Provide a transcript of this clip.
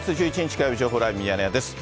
火曜日、情報ライブミヤネ屋です。